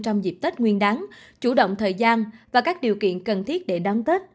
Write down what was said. trong dịp tết nguyên đáng chủ động thời gian và các điều kiện cần thiết để đón tết